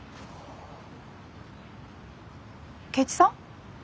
圭一さん！？